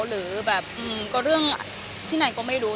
หรือเรื่องที่ไหนก็ไม่รู้